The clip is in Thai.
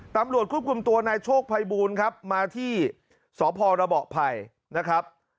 ตำรวจคุมตัวในโชคภัยบูลครับมาที่สพรภนะครับ